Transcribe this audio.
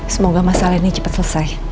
semoga masalah ini cepat selesai